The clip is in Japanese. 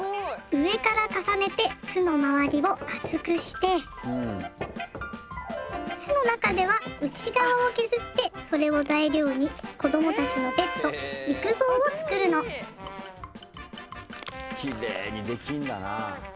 上から重ねて巣の周りを厚くして巣の中では内側を削ってそれを材料に子どもたちのベッド育房を作るのきれいにできんだなあ。